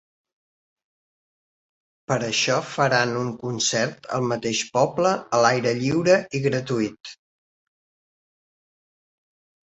Per això faran un concert al mateix poble a l’aire lliure i gratuït.